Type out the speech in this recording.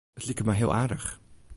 It liket my heel aardich.